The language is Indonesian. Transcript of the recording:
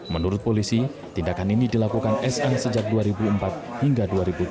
menurut polisi tindakan ini dilakukan sa sejak dua ribu empat hingga dua ribu tiga